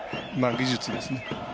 技術ですね